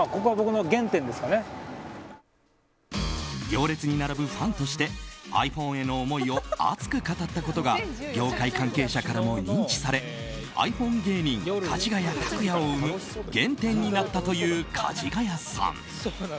行列に並ぶファンとしてｉＰｈｏｎｅへの思いを熱く語ったことが業界関係者からも認知されｉＰｈｏｎｅ芸人かじがや卓哉を生む原点になったというかじがやさん。